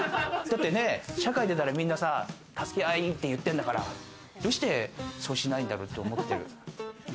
社会出たらみんなさ、助け合いっていってんだから、どうして、そうしないんだろうかって思ってる。